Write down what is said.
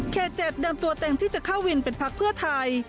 ๗เดิมตัวเต็มที่จะเข้าวินเป็นพักเพื่อไทย